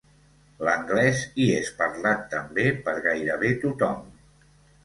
L'anglès hi és parlat també per gairebé tothom.